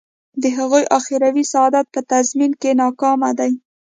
د هغوی اخروي سعادت په تضمین کې ناکامه دی.